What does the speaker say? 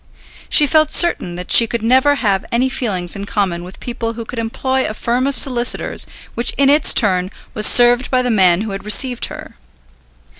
She felt certain that she could never have any feelings in common with people who could employ a firm of solicitors which in its turn was served by the man who had received her.